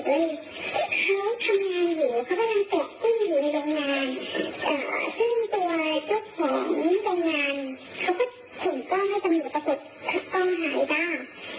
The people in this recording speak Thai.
เขากำลังเติบกุ้งอยู่ในโรงงานซึ่งตัวเจ้าของโรงงานเขาก็ส่งกล้องให้จำหนูปรากฏกล้องหายได้